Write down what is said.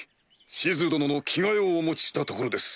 シズ殿の着替えをお持ちしたところです。